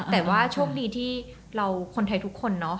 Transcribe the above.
แต่ว่าโชคดีที่เราคนไทยทุกคนเนาะ